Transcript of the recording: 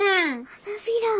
花びら。